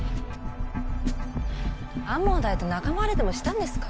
天羽大と仲間割れでもしたんですか？